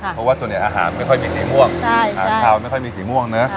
เพราะว่าส่วนใหญ่อาหารไม่ค่อยมีสีม่วงหางขาวไม่ค่อยมีสีม่วงนะ